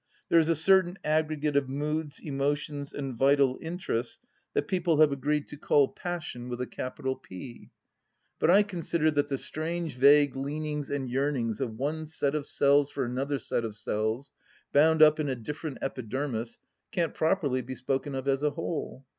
There is a certain aggregate of moods, emotions, and vital interests that people have agreed to call 126 THE LAST DITCH Passion with a capital P. ... But I consider that the strange vague leanings and yearnings of one set of cells for another set of cells, bound up in a different epidermis, can't properly be spoken of as a whole.